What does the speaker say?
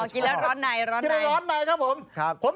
กินแล้วร้อนไหนครับผม